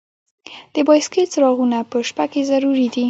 د بایسکل څراغونه په شپه کې ضروری دي.